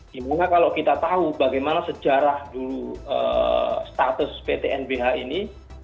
dimana kalau kita tahu bagaimana sejarah dulu status ptnbh ini